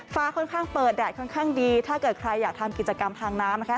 ฟ้าค่อนข้างเปิดแดดค่อนข้างดีถ้าเกิดใครอยากทำกิจกรรมทางน้ำนะคะ